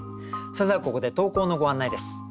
それではここで投稿のご案内です。